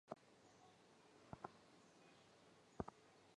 阿杰后来把这块可能带来大祸的玉牌扔进了海水里。